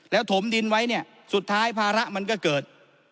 แล้วถมดินไว้เนี่ยสุดท้ายภาระมันก็เกิด